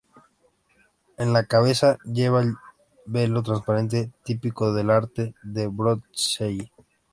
En la cabeza lleva el velo transparente típico del arte de Botticelli.